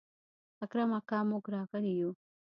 اکرم اکا موږ راغلي يو.